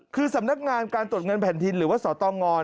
คือสำนักงานการตรวจเงินแผ่นดินหรือว่าสตง